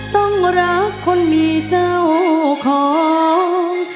ต้องรักคนมีเจ้าของ